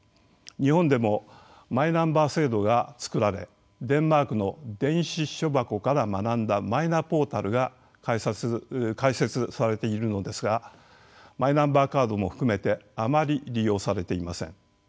日本でもマイナンバー制度が作られデンマークの電子私書箱から学んだマイナポータルが開設されているのですがマイナンバーカードも含めてあまり利用されていません。